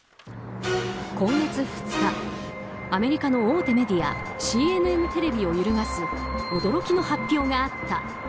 今月２日、アメリカの大手メディアＣＮＮテレビを揺るがす驚きの発表があった。